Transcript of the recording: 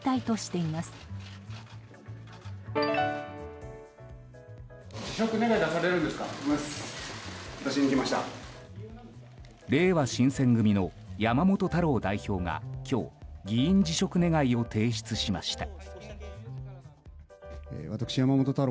れいわ新選組の山本太郎代表が今日、議員辞職願を提出しました。